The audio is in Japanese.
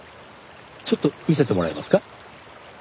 ちょっと見せてもらえますか？